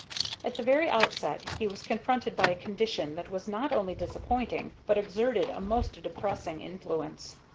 At the very outset he was confronted by a condition that was not only disappointing, but exerted a most depressing influence.